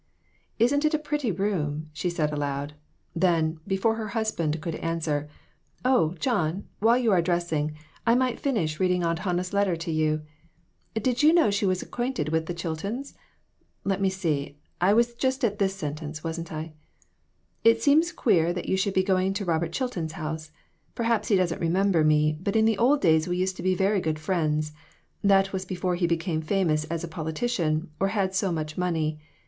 "Isn't it a pretty room?" she said aloud; then, before her husband could answer "Oh, John, while you are dressing, I might finish reading Aunt Hannah's letter to you. Did you know she was acquainted with the Chil tons ? Let me see; I was just at this sentence, wasn't I "' It seems queer that you should be going to Robert Chilton's house. Perhaps he doesn't remember me, but in the old days we used to be very good friends. That was before he became famous as a politician, or had so much money.